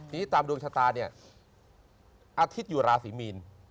นี่ตามดวงชะตาอาทิตย์อยู่ราศรีมีน